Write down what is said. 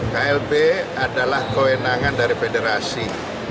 klb adalah kewenangan dari federasi